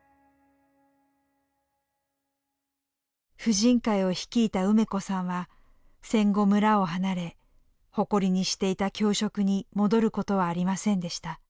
婦人会を率いた梅子さんは戦後村を離れ誇りにしていた教職に戻ることはありませんでした。